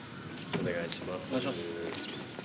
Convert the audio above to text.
お願いします。